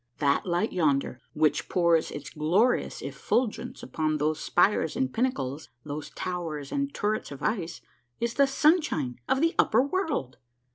That light yonder which pours its glorious effulgence upon those spires and pinnacles, those towers and turrets of ice, is the sunshine of the upper world